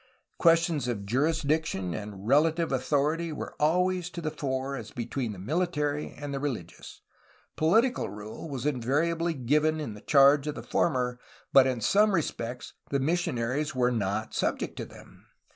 Questions of jurisdiction and relative authority were always to the fore as between the miUtary and the religious; political rule was invariably given in charge of the former, but in some respects the missionaries were not subject to them.